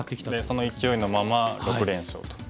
その勢いのまま６連勝と。